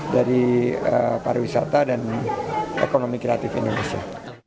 jadi para wisata dan ekonomi kreatif indonesia